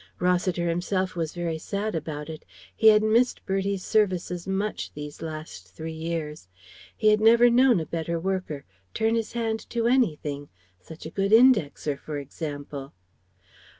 Rossiter himself was very sad about it. He had missed Bertie's services much these last three years. He had never known a better worker turn his hand to anything Such a good indexer, for example.